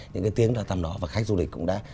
những cái tiếng đó tầm đó và khách du lịch cũng đã